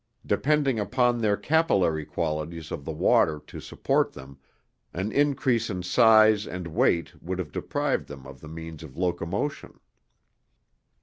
Depending upon the capillary qualities of the water to support them, an increase in size and weight would have deprived them of the means of locomotion.